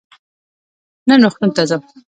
نن روغتون ته ځم.